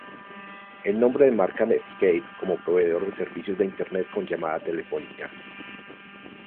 El nombre de marca Netscape como proveedor de servicios de Internet con llamada telefónica.